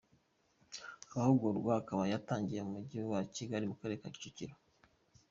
Amahugurwa akaba yatangiriye mu Mujyi wa Kigali, mu Karere ka Kicukiro.